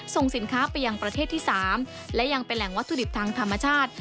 ส่งสินค้าไปยังประเทศที่๓และยังเป็นแหล่งวัตถุดิบทางธรรมชาติ